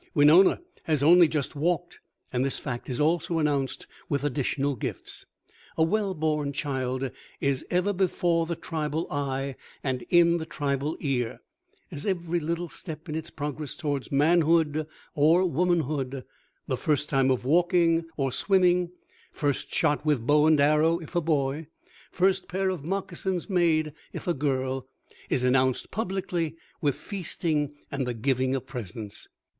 Winona has only just walked, and this fact is also announced with additional gifts. A well born child is ever before the tribal eye and in the tribal ear, as every little step in its progress toward manhood or womanhood the first time of walking or swimming, first shot with bow and arrow (if a boy), first pair of moccasins made (if a girl) is announced publicly with feasting and the giving of presents.